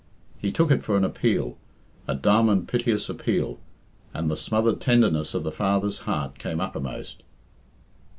He took it for an appeal, a dumb and piteous appeal, and the smothered tenderness of the father's heart came uppermost.